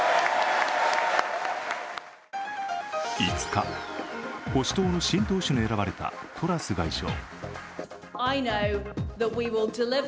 ５日、保守党の新党首に選ばれたトラス外相。